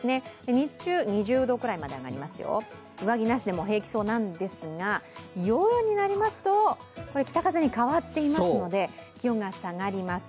日中２０度くらいまで上がりますよ、上着なしでも平気そうなんですが夜になりますと、北風に変わっていますので気温が下がります。